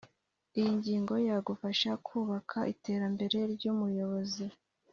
iyi ngingo yagufasha kubaka iterambere ryu muyobozi